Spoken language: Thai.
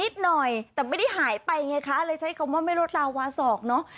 หน่อยแต่ไม่ได้หายไปไงคะเลยใช้คำว่าไม่ลดลาวาสอกเนอะ